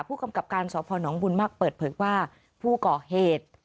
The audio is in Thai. ผู้กำกับการสพนบุญมากเปิดเผยว่าผู้ก่อเหตุ